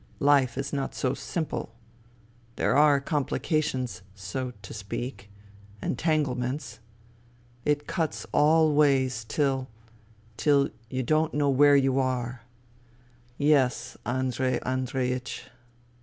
Life is not so simple. There are complications, so THE THREE SISTERS 17 to speak, entanglements. It cuts all ways, till ... till you don't know where you are. Yes, Andrei Andreiech.